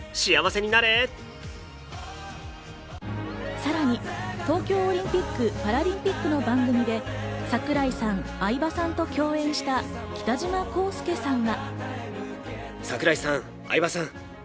さらに東京オリンピック・パラリンピックの番組で櫻井さん、相葉さんと共演した北島康介さんが。